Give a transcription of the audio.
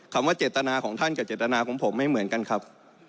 ว่าเจตนาของท่านกับเจตนาของผมไม่เหมือนกันครับ